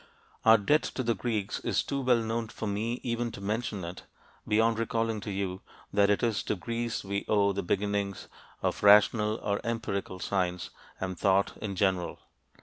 Our debt to the Greeks is too well known for me even to mention it, beyond recalling to you that it is to Greece we owe the beginnings of rational or empirical science and thought in general.